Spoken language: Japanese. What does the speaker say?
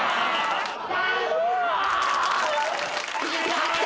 やった！